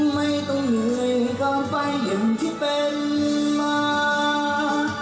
ไม่ต้องเหนื่อยกับไฟอย่างที่เป็นมา